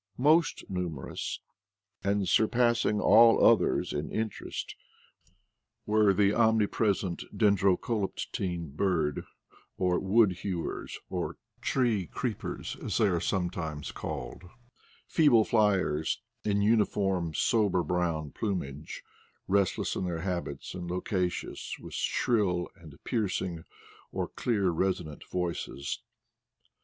Most numer ous, and surpassing all others in interest, were the omnipresent Dendrocolaptine bird, or wood hewers, or tree creepers as they are sometimes called — feeble flyers, in uniform sober brown plumage ; restless in their habits and loquacious, with shrill and piercing, or clear resonant voices.